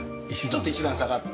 ちょっと１段下がって。